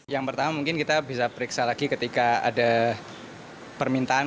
yang pertama mungkin kita bisa periksa lagi ketika ada permintaan